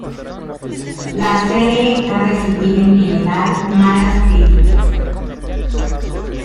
La serie ha recibido en general malas críticas.